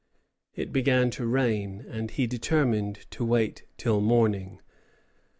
] It began to rain, and he determined to wait till morning.